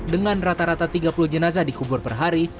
dengan rata rata tiga puluh jenazah dikubur per hari